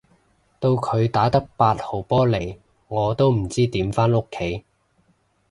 到佢打得八號波嚟都唔知點返屋企